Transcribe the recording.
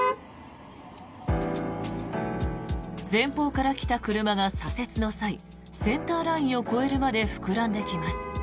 前方から来た車が左折の際センターラインを越えるまで膨らんできます。